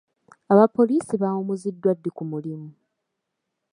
Abapoliisi bawummuzibwa ddi ku mulimu?